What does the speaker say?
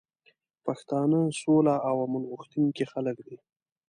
پښتانه سوله او امن غوښتونکي خلک دي.